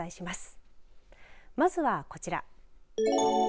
まずは、こちら。